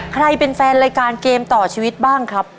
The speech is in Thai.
ใครเป็นแฟนรายการเกมต่อชีวิตบ้างครับ